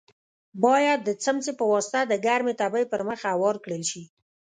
باید د څمڅۍ په واسطه د ګرمې تبۍ پر مخ اوار کړل شي.